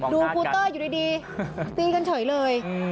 ดูฟูเตอร์อยู่ดีตีกันเฉยเลย